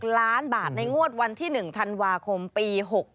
ล้านบาทในงวดวันที่๑ธันวาคมปี๖๖